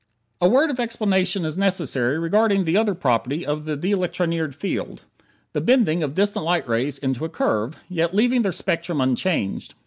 A word of explanation is necessary regarding the other property of the de electronired field the bending of distant light rays into a curve, yet leaving their spectrum unchanged.